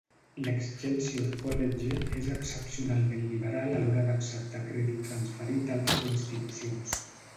L'Excelsior College és excepcionalment liberal a l'hora d'acceptar crèdit transferit d'altres institucions.